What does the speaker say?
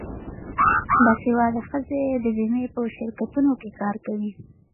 باسواده ښځې د بیمې په شرکتونو کې کار کوي.